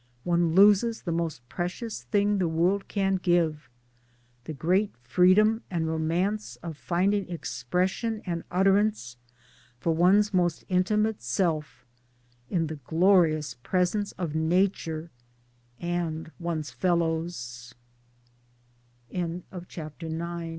One loses the most precious thing the world can give the great freedom and romance of finding expression and utterance for one's most intimate self in the glorious presence of Nature and